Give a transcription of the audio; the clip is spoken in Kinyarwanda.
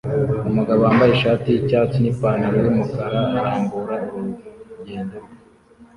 Umugabo wambaye ishati yicyatsi nipantaro yumukara arambura urugendo rwe